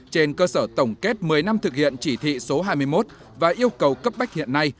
trên cơ sở tổng kết một mươi năm thực hiện chỉ thị số hai mươi một và yêu cầu cấp bách hiện nay